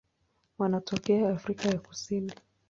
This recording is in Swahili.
Wanatokea Afrika ya Kusini.